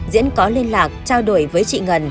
diễn có liên lạc trao đổi với chị ngân